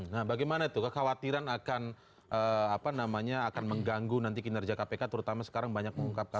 nah bagaimana itu kekhawatiran akan mengganggu nanti kinerja kpk terutama sekarang banyak mengungkapkan